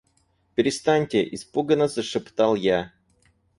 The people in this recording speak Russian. — Перестаньте, — испуганно зашептал я.